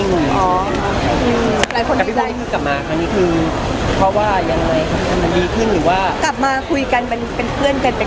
ก็ไม่หงอกค่ะจริงแล้วที่เลิกคุยกันไปก็ยังคุยกันแบบ